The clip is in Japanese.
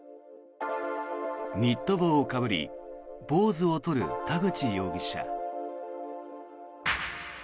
ニット帽をかぶりポーズを取る田口容疑者。